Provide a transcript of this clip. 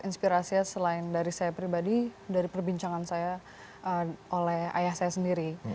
inspirasinya selain dari saya pribadi dari perbincangan saya oleh ayah saya sendiri